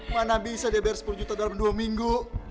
mana bisa dia bayar sepuluh juta dalam dua minggu